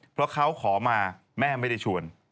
เพราะเขาขอมาแม่ไม่ได้ชวน